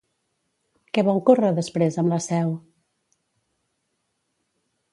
Què va ocórrer després amb la Seu?